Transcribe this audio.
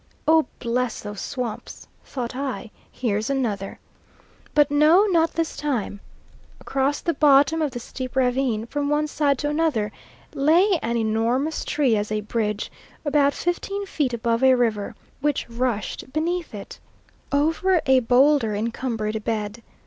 "Oh, bless those swamps!" thought I, "here's another," but no not this time. Across the bottom of the steep ravine, from one side to another, lay an enormous tree as a bridge, about fifteen feet above a river, which rushed beneath it, over a boulder encumbered bed.